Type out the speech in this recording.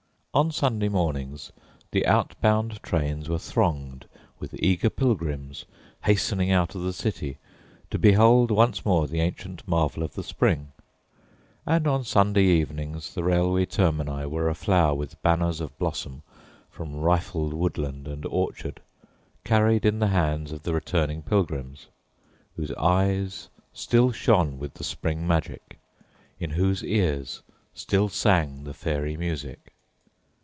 On Sunday mornings, the outbound trains were thronged with eager pilgrims, hastening out of the city, to behold once more the ancient marvel of the spring; and, on Sunday evenings, the railway termini were aflower with banners of blossom from rifled woodland and orchard carried in the hands of the returning pilgrims, whose eyes still shone with the spring magic, in whose ears still sang the fairy music.